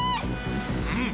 うん。